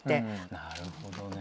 なるほどね。